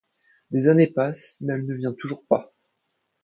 Des années passent, mais elle ne vient toujours pas.